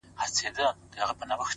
زه هم خطا وتمه-